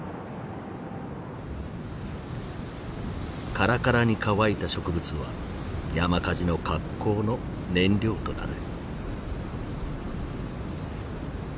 カラカラに乾いた植物は山火事の格好の燃料となる。